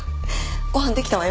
ご飯出来たわよ。